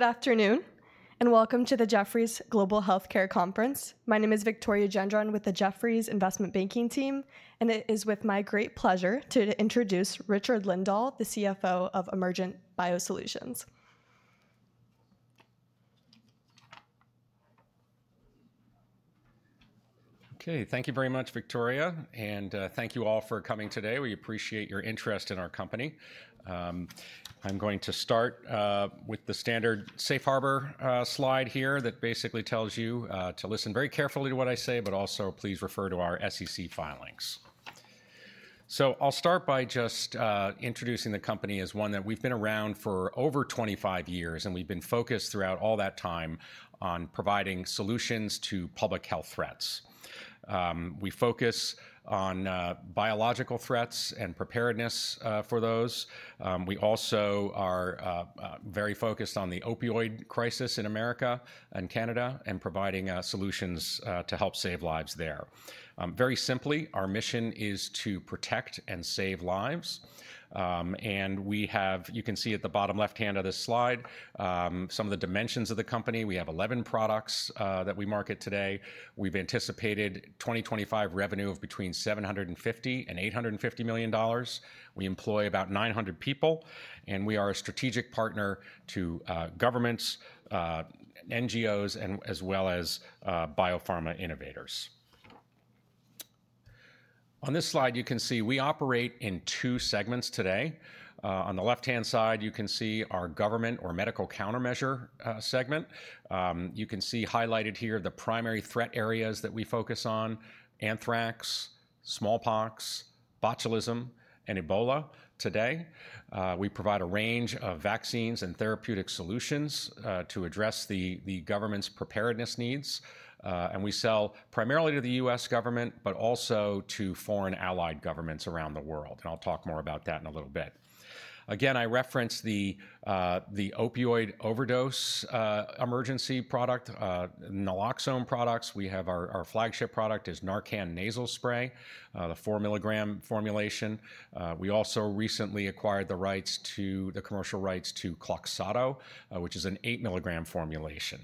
Okay. Good afternoon, and welcome to the Jefferies Global Healthcare Conference. My name is Victoria Gendron with the Jefferies Investment Banking Team, and it is with my great pleasure to introduce Richard Lindahl, the CFO of Emergent BioSolutions. Okay, thank you very much, Victoria, and thank you all for coming today. We appreciate your interest in our company. I'm going to start with the standard Safe Harbor slide here that basically tells you to listen very carefully to what I say, but also please refer to our SEC filings. I will start by just introducing the company as one that we've been around for over 25 years, and we've been focused throughout all that time on providing solutions to public health threats. We focus on biological threats and preparedness for those. We also are very focused on the opioid crisis in America and Canada, and providing solutions to help save lives there. Very simply, our mission is to protect and save lives. We have, you can see at the bottom left hand of this slide, some of the dimensions of the company. We have 11 products that we market today. We've anticipated 2025 revenue of between $750 million and $850 million. We employ about 900 people, and we are a strategic partner to governments, NGOs, and as well as biopharma innovators. On this slide, you can see we operate in two segments today. On the left-hand side, you can see our government or medical countermeasure segment. You can see highlighted here the primary threat areas that we focus on: anthrax, smallpox, botulism, and Ebola today. We provide a range of vaccines and therapeutic solutions to address the government's preparedness needs. We sell primarily to the U.S. government, but also to foreign allied governments around the world. I'll talk more about that in a little bit. Again, I referenced the opioid overdose emergency product, naloxone products. We have our flagship product is Narcan nasal spray, the 4 mg formulation. We also recently acquired the rights to the commercial rights to Kloxxado, which is an 8 mg formulation.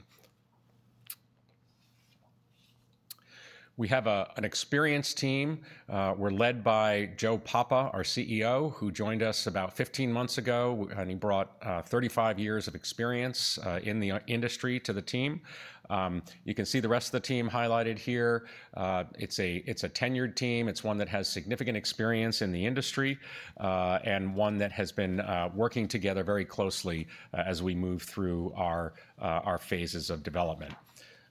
We have an experienced team. We're led by Joe Papa, our CEO, who joined us about 15 months ago, and he brought 35 years of experience in the industry to the team. You can see the rest of the team highlighted here. It's a tenured team. It's one that has significant experience in the industry and one that has been working together very closely as we move through our phases of development,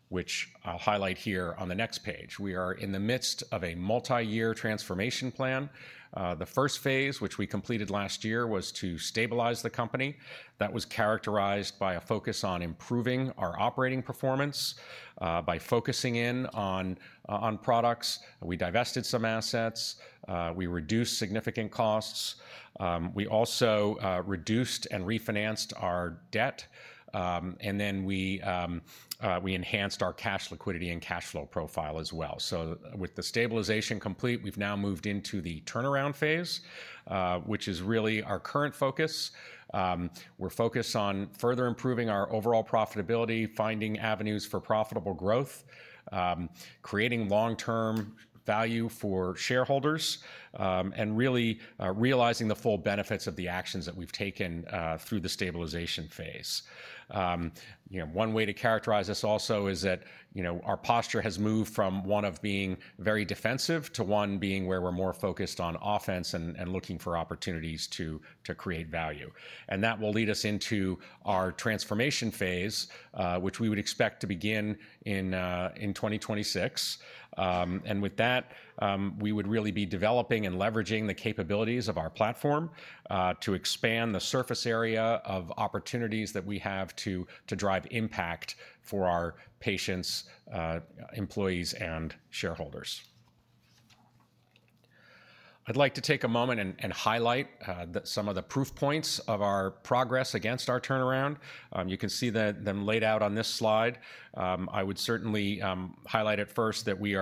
which I'll highlight here on the next page. We are in the midst of a multi-year transformation plan. The first phase, which we completed last year, was to stabilize the company. That was characterized by a focus on improving our operating performance by focusing in on products. We divested some assets. We reduced significant costs. We also reduced and refinanced our debt. We enhanced our cash liquidity and cash flow profile as well. With the stabilization complete, we've now moved into the turnaround phase, which is really our current focus. We're focused on further improving our overall profitability, finding avenues for profitable growth, creating long-term value for shareholders, and really realizing the full benefits of the actions that we've taken through the stabilization phase. One way to characterize this also is that our posture has moved from one of being very defensive to one being where we're more focused on offense and looking for opportunities to create value. That will lead us into our transformation phase, which we would expect to begin in 2026. We would really be developing and leveraging the capabilities of our platform to expand the surface area of opportunities that we have to drive impact for our patients, employees, and shareholders. I'd like to take a moment and highlight some of the proof points of our progress against our turnaround. You can see them laid out on this slide. I would certainly highlight at first that we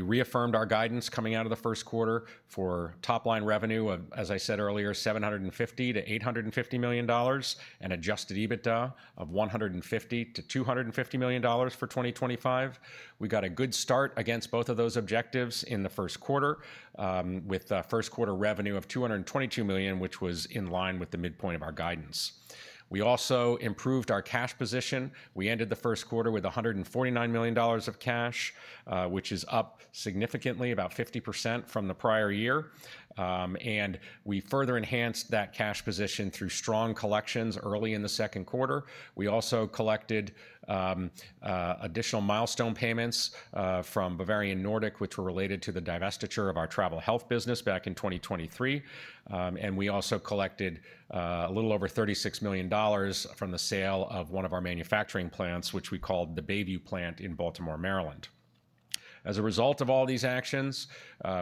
reaffirmed our guidance coming out of the first quarter for top-line revenue, as I said earlier, $750-$850 million and adjusted EBITDA of $150-$250 million for 2025. We got a good start against both of those objectives in the first quarter with the first quarter revenue of $222 million, which was in line with the midpoint of our guidance. We also improved our cash position. We ended the first quarter with $149 million of cash, which is up significantly, about 50% from the prior year. We further enhanced that cash position through strong collections early in the second quarter. We also collected additional milestone payments from Bavarian Nordic, which were related to the divestiture of our travel health business back in 2023. We also collected a little over $36 million from the sale of one of our manufacturing plants, which we called the Bayview plant in Baltimore, Maryland. As a result of all these actions,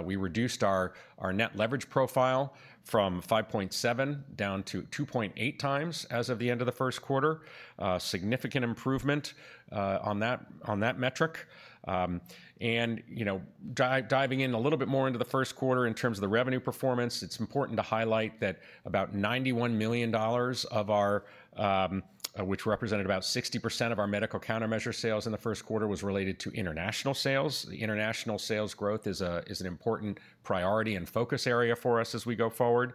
we reduced our net leverage profile from 5.7 down to 2.8 times as of the end of the first quarter. Significant improvement on that metric. Diving in a little bit more into the first quarter in terms of the revenue performance, it's important to highlight that about $91 million, which represented about 60% of our medical countermeasure sales in the first quarter, was related to international sales. International sales growth is an important priority and focus area for us as we go forward.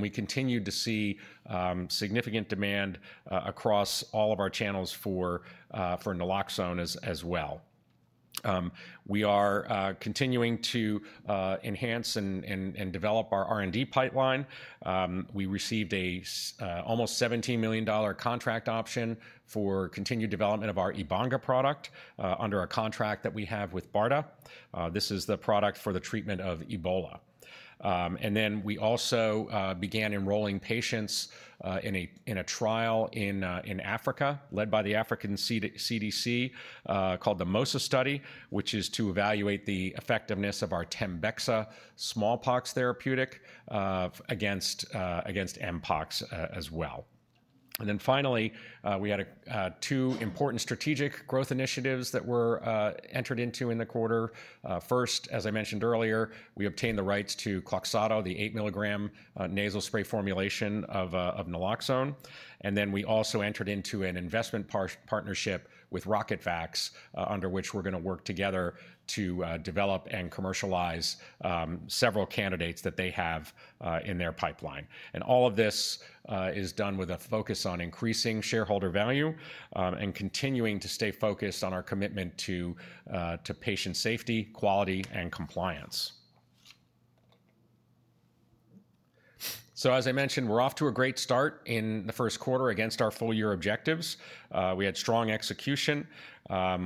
We continue to see significant demand across all of our channels for naloxone as well. We are continuing to enhance and develop our R&D pipeline. We received an almost $17 million contract option for continued development of our Ebanga product under a contract that we have with BARDA. This is the product for the treatment of Ebola. We also began enrolling patients in a trial in Africa, led by the African CDC, called the MOSA study, which is to evaluate the effectiveness of our Tembexa smallpox therapeutic against Mpox as well. Finally, we had two important strategic growth initiatives that were entered into in the quarter. First, as I mentioned earlier, we obtained the rights to Kloxxado, the 8 mg nasal spray formulation of naloxone. We also entered into an investment partnership with RocketVax, under which we're going to work together to develop and commercialize several candidates that they have in their pipeline. All of this is done with a focus on increasing shareholder value and continuing to stay focused on our commitment to patient safety, quality, and compliance. As I mentioned, we're off to a great start in the first quarter against our full year objectives. We had strong execution.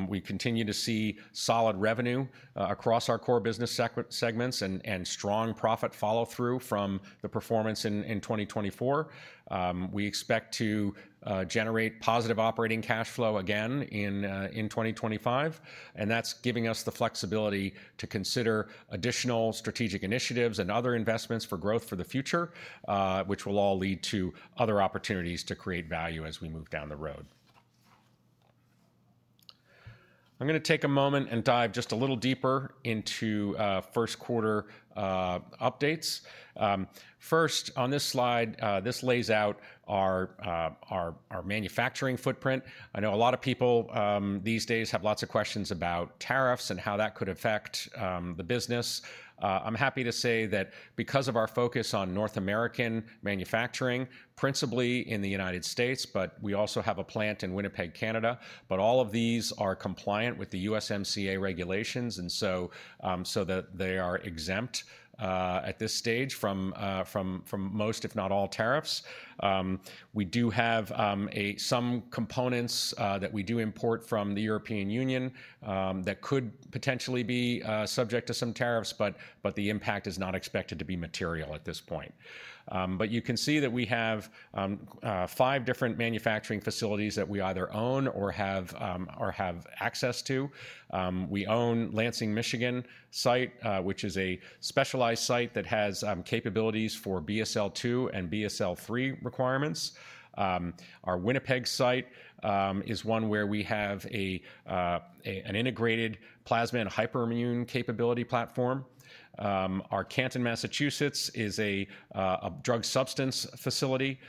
We continue to see solid revenue across our core business segments and strong profit follow-through from the performance in 2024. We expect to generate positive operating cash flow again in 2025. That is giving us the flexibility to consider additional strategic initiatives and other investments for growth for the future, which will all lead to other opportunities to create value as we move down the road. I'm going to take a moment and dive just a little deeper into first quarter updates. First, on this slide, this lays out our manufacturing footprint. I know a lot of people these days have lots of questions about tariffs and how that could affect the business. I'm happy to say that because of our focus on North American manufacturing, principally in the United States, but we also have a plant in Winnipeg, Canada, all of these are compliant with the USMCA regulations, and so they are exempt at this stage from most, if not all, tariffs. We do have some components that we do import from the European Union that could potentially be subject to some tariffs, but the impact is not expected to be material at this point. You can see that we have five different manufacturing facilities that we either own or have access to. We own the Lansing, Michigan site, which is a specialized site that has capabilities for BSL2 and BSL3 requirements. Our Winnipeg site is one where we have an integrated plasma and hyperimmune capability platform. Our Canton, Massachusetts, is a drug substance facility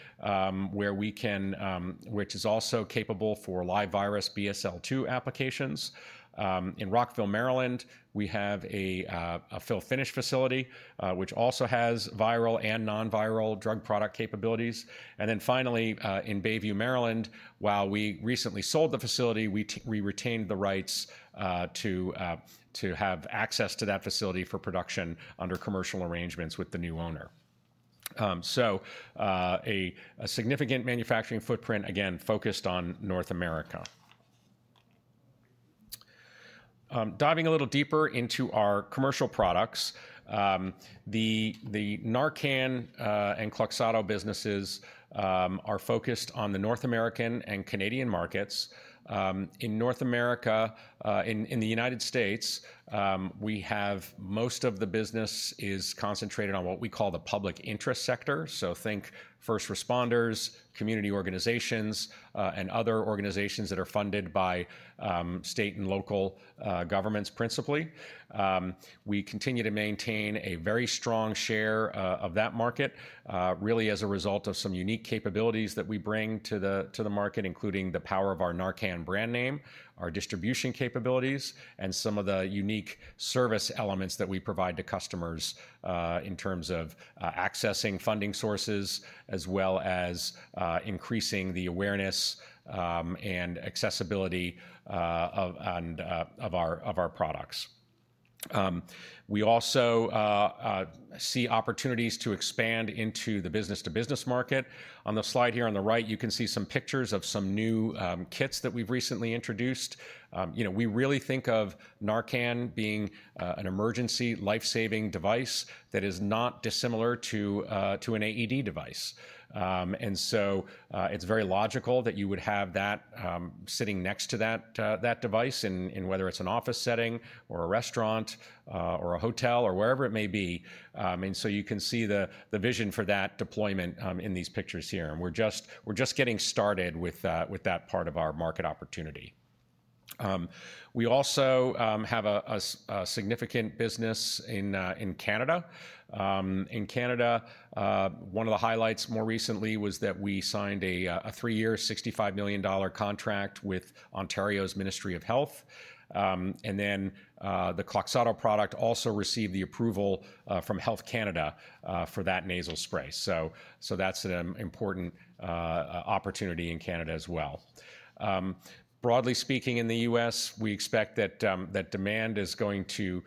where we can, which is also capable for live virus BSL2 applications. In Rockville, Maryland, we have a fill-finish facility, which also has viral and non-viral drug product capabilities. Finally, in Bayview, Maryland, while we recently sold the facility, we retained the rights to have access to that facility for production under commercial arrangements with the new owner. A significant manufacturing footprint, again, focused on North America. Diving a little deeper into our commercial products, the Narcan and Kloxxado businesses are focused on the North American and Canadian markets. In North America, in the United States, we have most of the business concentrated on what we call the public interest sector. Think first responders, community organizations, and other organizations that are funded by state and local governments principally. We continue to maintain a very strong share of that market, really as a result of some unique capabilities that we bring to the market, including the power of our Narcan brand name, our distribution capabilities, and some of the unique service elements that we provide to customers in terms of accessing funding sources, as well as increasing the awareness and accessibility of our products. We also see opportunities to expand into the business-to-business market. On the slide here on the right, you can see some pictures of some new kits that we've recently introduced. We really think of Narcan being an emergency life-saving device that is not dissimilar to an AED device. It is very logical that you would have that sitting next to that device, whether it's an office setting or a restaurant or a hotel or wherever it may be. You can see the vision for that deployment in these pictures here. We are just getting started with that part of our market opportunity. We also have a significant business in Canada. In Canada, one of the highlights more recently was that we signed a three-year, 65 million dollar contract with Ontario's Ministry of Health. The Kloxxado product also received the approval from Health Canada for that nasal spray. That is an important opportunity in Canada as well. Broadly speaking, in the U.S., we expect that demand is going to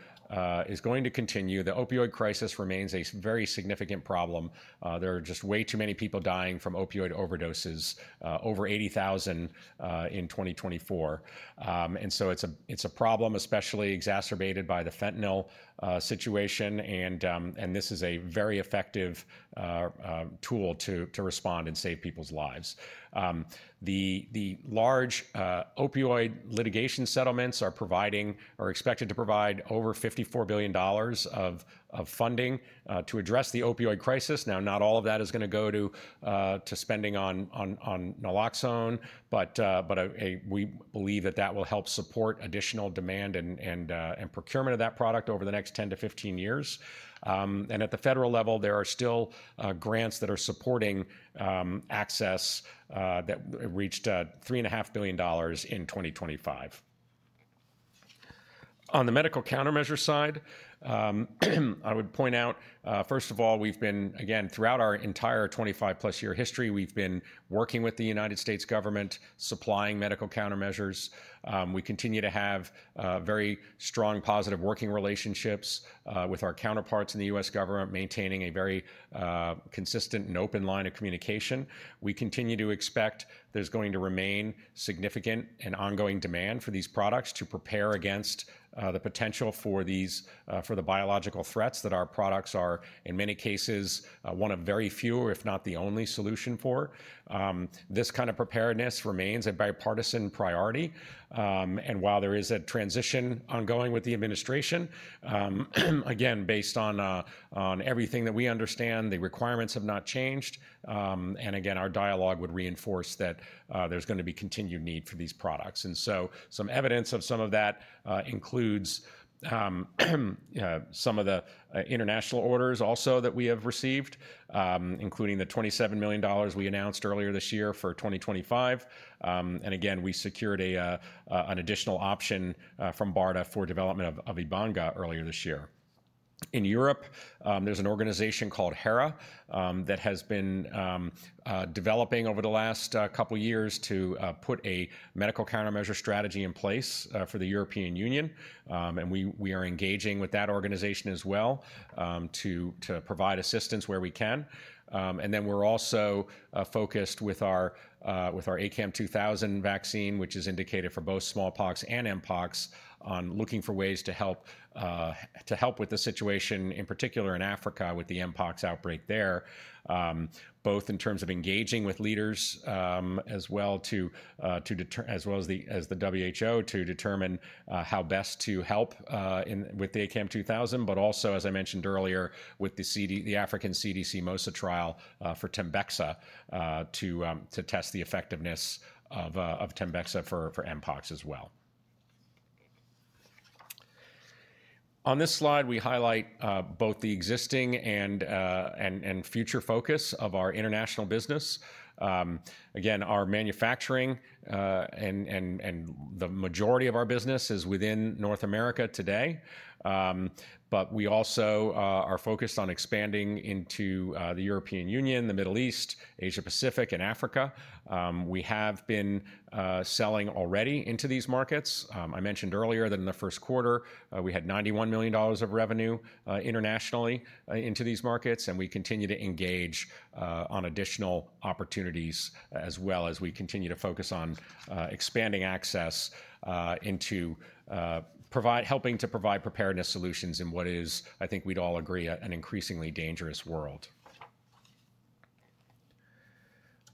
continue. The opioid crisis remains a very significant problem. There are just way too many people dying from opioid overdoses, over 80,000 in 2024. It is a problem, especially exacerbated by the fentanyl situation. This is a very effective tool to respond and save people's lives. The large opioid litigation settlements are providing, are expected to provide over $54 billion of funding to address the opioid crisis. Now, not all of that is going to go to spending on naloxone, but we believe that that will help support additional demand and procurement of that product over the next 10-15 years. At the federal level, there are still grants that are supporting access that reached $3.5 billion in 2025. On the medical countermeasure side, I would point out, first of all, we've been, again, throughout our entire 25-plus year history, we've been working with the U.S. government supplying medical countermeasures. We continue to have very strong positive working relationships with our counterparts in the U.S. government, maintaining a very consistent and open line of communication. We continue to expect there's going to remain significant and ongoing demand for these products to prepare against the potential for the biological threats that our products are, in many cases, one of very few, if not the only solution for. This kind of preparedness remains a bipartisan priority. While there is a transition ongoing with the administration, again, based on everything that we understand, the requirements have not changed. Again, our dialogue would reinforce that there's going to be continued need for these products. Some evidence of some of that includes some of the international orders also that we have received, including the $27 million we announced earlier this year for 2025. Again, we secured an additional option from BARDA for development of Ebanga earlier this year. In Europe, there's an organization called HERA that has been developing over the last couple of years to put a medical countermeasure strategy in place for the European Union. We are engaging with that organization as well to provide assistance where we can. We are also focused with our ACAM2000 vaccine, which is indicated for both smallpox and Mpox, on looking for ways to help with the situation, in particular in Africa with the Mpox outbreak there, both in terms of engaging with leaders as well as the WHO to determine how best to help with the ACAM2000, but also, as I mentioned earlier, with the African CDC MOSA trial for Tembexa to test the effectiveness of Tembexa for Mpox as well. On this slide, we highlight both the existing and future focus of our international business. Again, our manufacturing and the majority of our business is within North America today. We also are focused on expanding into the European Union, the Middle East, Asia-Pacific, and Africa. We have been selling already into these markets. I mentioned earlier that in the first quarter, we had $91 million of revenue internationally into these markets. We continue to engage on additional opportunities as well as we continue to focus on expanding access into helping to provide preparedness solutions in what is, I think we'd all agree, an increasingly dangerous world.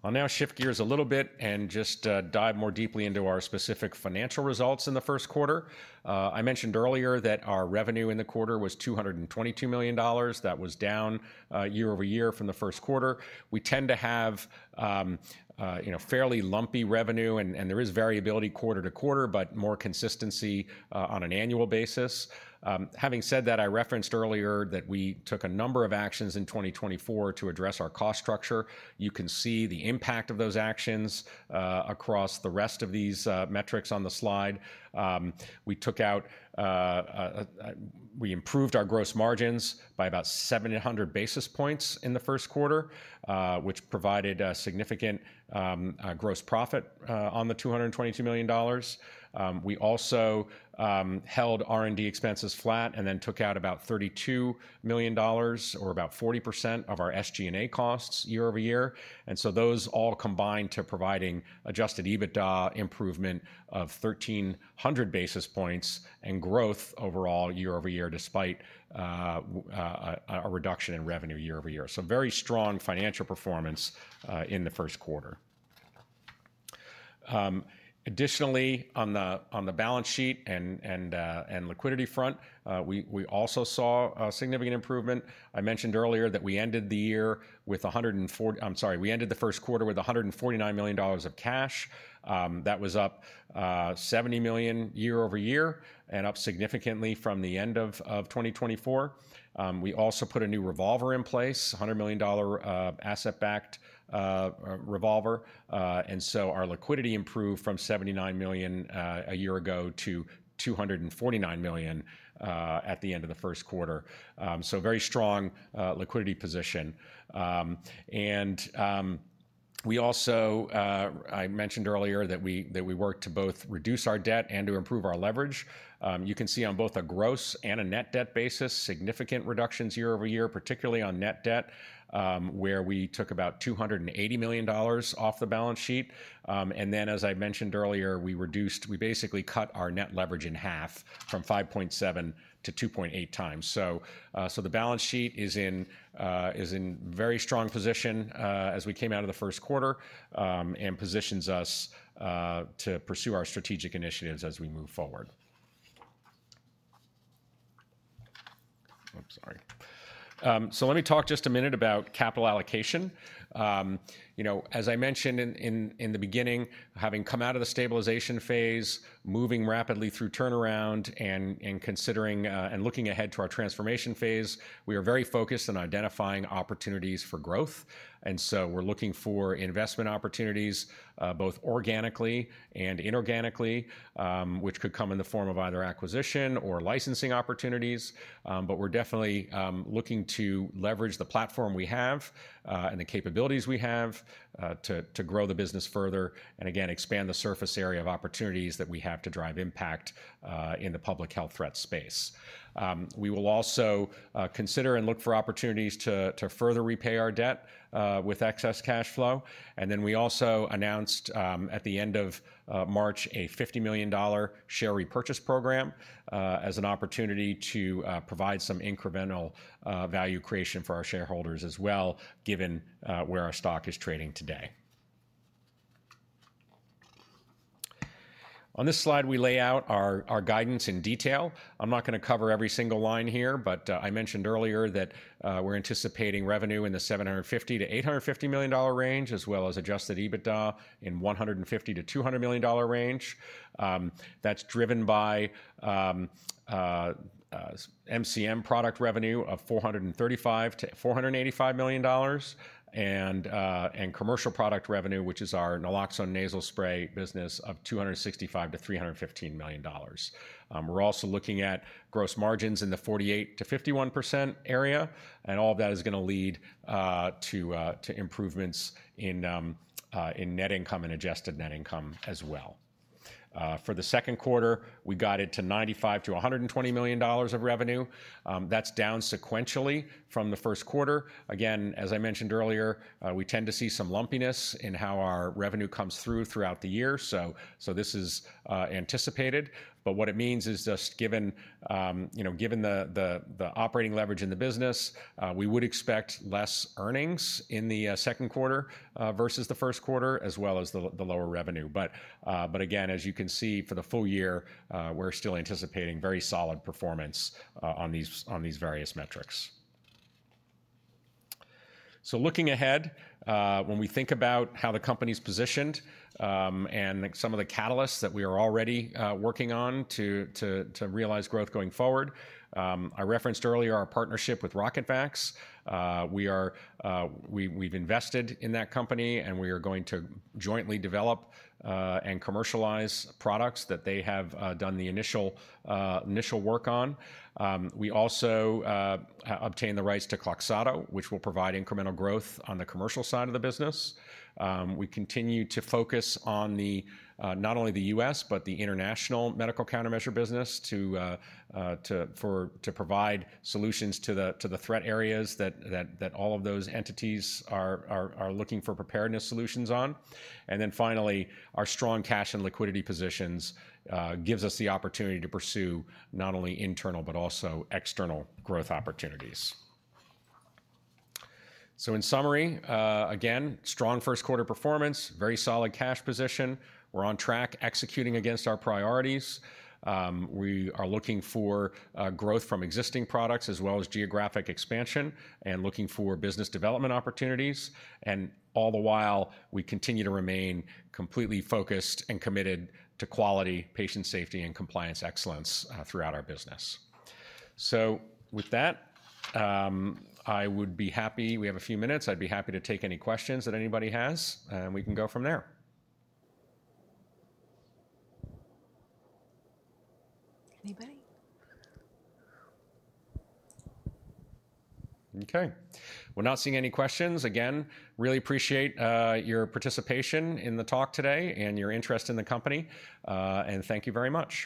I'll now shift gears a little bit and just dive more deeply into our specific financial results in the first quarter. I mentioned earlier that our revenue in the quarter was $222 million. That was down year over year from the first quarter. We tend to have fairly lumpy revenue, and there is variability quarter to quarter, but more consistency on an annual basis. Having said that, I referenced earlier that we took a number of actions in 2024 to address our cost structure. You can see the impact of those actions across the rest of these metrics on the slide. We improved our gross margins by about 700 basis points in the first quarter, which provided significant gross profit on the $222 million. We also held R&D expenses flat and then took out about $32 million or about 40% of our SG&A costs year over year. Those all combined to providing adjusted EBITDA improvement of 1,300 basis points and growth overall year over year despite a reduction in revenue year over year. Very strong financial performance in the first quarter. Additionally, on the balance sheet and liquidity front, we also saw a significant improvement. I mentioned earlier that we ended the year with, I'm sorry, we ended the first quarter with $149 million of cash. That was up $70 million year over year and up significantly from the end of 2024. We also put a new revolver in place, a $100 million asset-backed revolver. Our liquidity improved from $79 million a year ago to $249 million at the end of the first quarter. Very strong liquidity position. I mentioned earlier that we worked to both reduce our debt and to improve our leverage. You can see on both a gross and a net debt basis, significant reductions year over year, particularly on net debt, where we took about $280 million off the balance sheet. As I mentioned earlier, we basically cut our net leverage in half from 5.7 to 2.8 times. The balance sheet is in a very strong position as we came out of the first quarter and positions us to pursue our strategic initiatives as we move forward. I'm sorry. Let me talk just a minute about capital allocation. As I mentioned in the beginning, having come out of the stabilization phase, moving rapidly through turnaround, and looking ahead to our transformation phase, we are very focused on identifying opportunities for growth. We are looking for investment opportunities, both organically and inorganically, which could come in the form of either acquisition or licensing opportunities. We are definitely looking to leverage the platform we have and the capabilities we have to grow the business further and, again, expand the surface area of opportunities that we have to drive impact in the public health threat space. We will also consider and look for opportunities to further repay our debt with excess cash flow. We also announced at the end of March a $50 million share repurchase program as an opportunity to provide some incremental value creation for our shareholders as well, given where our stock is trading today. On this slide, we lay out our guidance in detail. I'm not going to cover every single line here, but I mentioned earlier that we are anticipating revenue in the $750 million-$850 million range, as well as adjusted EBITDA in the $150 million-$200 million range. That's driven by MCM product revenue of $435-$485 million and commercial product revenue, which is our naloxone nasal spray business, of $265-$315 million. We're also looking at gross margins in the 48%-51% area. All of that is going to lead to improvements in net income and adjusted net income as well. For the second quarter, we got it to $95-$120 million of revenue. That's down sequentially from the first quarter. Again, as I mentioned earlier, we tend to see some lumpiness in how our revenue comes through throughout the year. This is anticipated. What it means is just given the operating leverage in the business, we would expect less earnings in the second quarter versus the first quarter, as well as the lower revenue. Again, as you can see, for the full year, we're still anticipating very solid performance on these various metrics. Looking ahead, when we think about how the company's positioned and some of the catalysts that we are already working on to realize growth going forward, I referenced earlier our partnership with RocketVax. We've invested in that company, and we are going to jointly develop and commercialize products that they have done the initial work on. We also obtained the rights to Kloxxado, which will provide incremental growth on the commercial side of the business. We continue to focus on not only the U.S., but the international medical countermeasure business to provide solutions to the threat areas that all of those entities are looking for preparedness solutions on. Finally, our strong cash and liquidity positions give us the opportunity to pursue not only internal, but also external growth opportunities. In summary, again, strong first quarter performance, very solid cash position. We're on track executing against our priorities. We are looking for growth from existing products as well as geographic expansion and looking for business development opportunities. All the while, we continue to remain completely focused and committed to quality, patient safety, and compliance excellence throughout our business. With that, I would be happy, we have a few minutes, to take any questions that anybody has, and we can go from there. Anybody? Okay. We're not seeing any questions. Again, really appreciate your participation in the talk today and your interest in the company. Thank you very much.